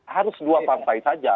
harus dua partai saja